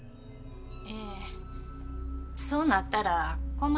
ええそうなったら困りますわ。